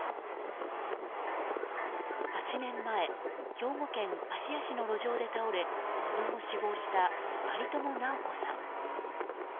８年前兵庫県芦屋市の路上で倒れその後、死亡した有友尚子さん。